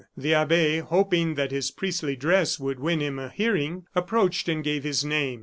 The abbe, hoping that his priestly dress would win him a hearing, approached and gave his name.